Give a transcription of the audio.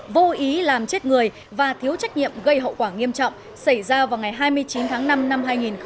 vô ý làm chết người và thiếu trách nhiệm gây hậu quả nghiêm trọng xảy ra vào ngày hai mươi chín tháng năm năm hai nghìn một mươi chín